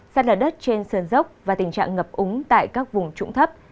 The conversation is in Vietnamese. sát đất trên sơn dốc và tình trạng ngập úng tại các vùng trụng thấp